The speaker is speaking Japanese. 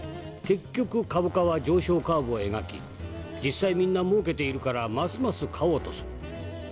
結局株価は上昇カーブを描き実際みんなもうけているからますます買おうとする。